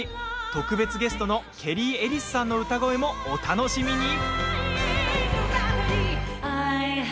特別ゲストのケリー・エリスさんの歌声もお楽しみに。